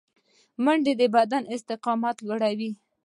منډه د بدن استقامت لوړوي